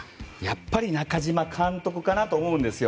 やっぱり中嶋監督かなと思うんですよ。